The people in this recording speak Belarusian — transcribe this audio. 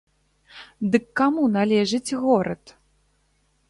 Дык каму належыць горад?